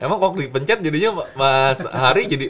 emang kok dipencet jadinya mas hari jadi